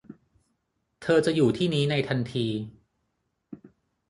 เธอจะอยู่ที่นี้ในทันที